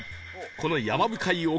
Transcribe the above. この山深い奥